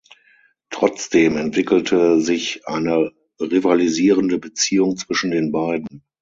Trotzdem entwickelte sich eine rivalisierende Beziehung zwischen den beiden.